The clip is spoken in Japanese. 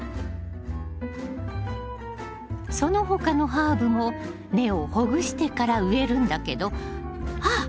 その他のハーブも根をほぐしてから植えるんだけどあっ！